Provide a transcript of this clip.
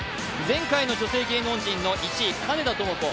前回の女性芸能人の１位、金田朋子。